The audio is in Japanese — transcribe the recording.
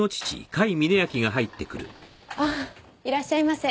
ああいらっしゃいませ。